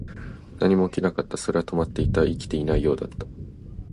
何も起きなかった。それは止まっていた。生きていないようだった。